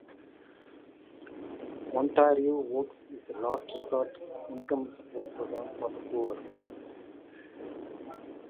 Ontario Works is a last-resort income support program for the poor.